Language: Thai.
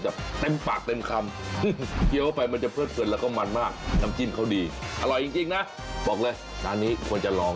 แล้วปลาพริกปลาสลิก